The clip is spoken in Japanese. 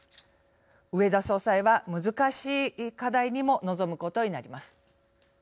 植田総裁は難しい課題にも臨むことになります。